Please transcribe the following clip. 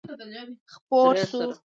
خپور شو.